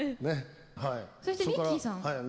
そしてミッキーさん。